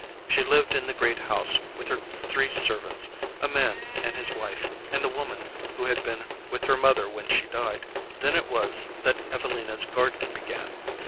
She lived in the great house with her three servants a man and his wife, and the woman who had been with her mother when she died. Then it was that Evelina's garden began.